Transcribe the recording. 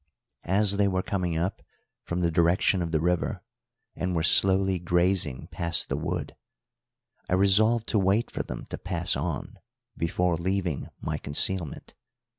As they were coming up from the direction of the river, and were slowly grazing past the wood, I resolved to wait for them to pass on before leaving my concealment.